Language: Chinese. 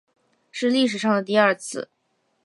是历史上的第二次